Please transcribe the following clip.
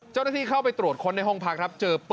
เจ้าหน้าที่เข้าไปตรวจคนในห้องพักครับเจอปืนพกสั้นแบบ